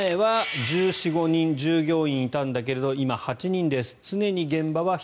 １５年前は１４１５人作業員がいたんだけど今、８人です。